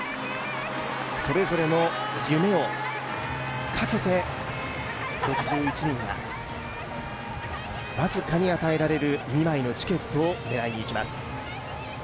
それぞれの夢をかけて６１人が僅かに与えられる２枚のチケットを狙いにいきます。